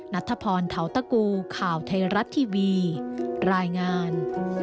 นัทธพรเทาตะกูข่าวไทยรัฐทีวีรายงาน